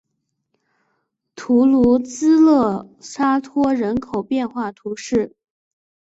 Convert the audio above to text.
图卢兹勒沙托人口变化图示